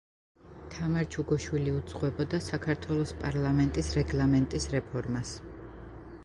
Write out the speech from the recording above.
თამარ ჩუგოშვილი უძღვებოდა საქართველოს პარლამენტის რეგლამენტის რეფორმას.